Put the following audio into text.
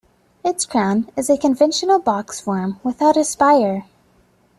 Its crown is a conventional box form without a spire.